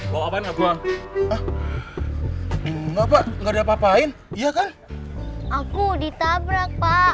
bawa apaan ngakuang enggak pak enggak ada papain iya kan aku ditabrak pak